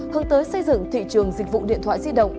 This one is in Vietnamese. hướng tới xây dựng thị trường dịch vụ điện thoại di động